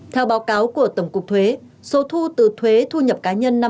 theo báo cáo của tổng cục thuế số thu từ thuế thu nhập cá nhân năm hai nghìn một mươi